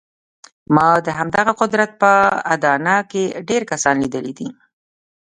ما د همدغه قدرت په اډانه کې ډېر کسان لیدلي دي